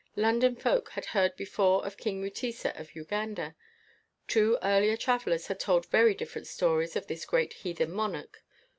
London folk had heard before of King Mutesa of Uganda. Two earlier travelers had told very differ ent stories of this great heathen monarch.